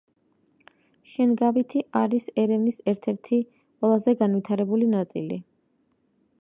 შენგავითი არის ერევნის ერთ-ერთი ყველაზე განვითარებული ნაწილი.